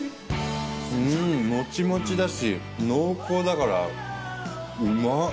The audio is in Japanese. うんモチモチだし濃厚だからうまっ。